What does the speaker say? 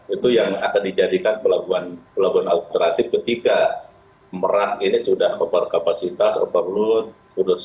itu yang akan dijadikan pelabuhan alternatif ketika merah ini sudah over kapasitas over load